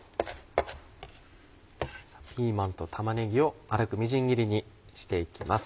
ピーマンと玉ねぎを粗くみじん切りにして行きます。